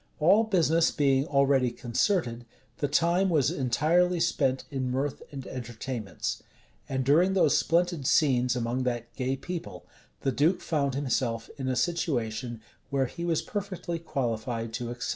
All business being already concerted, the time was entirely spent in mirth and entertainments; and during those splendid scenes among that gay people, the duke found himself in a situation where he was perfectly qualified to excel.